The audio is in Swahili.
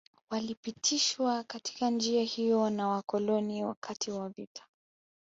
Walipitishwa katika njia hiyo na Wakoloni wakati wa vita